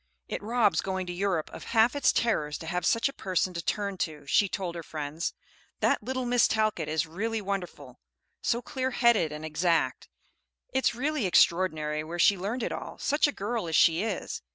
"It robs going to Europe of half its terrors to have such a person to turn to," she told her friends. "That little Miss Talcott is really wonderful, so clear headed and exact. It's really extraordinary where she learned it all, such a girl as she is.